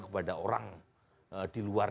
kepada orang di luar